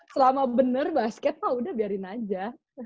selama bener basket mah udah biarin aja